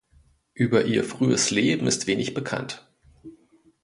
Über ihr frühes Leben ist wenig bekannt.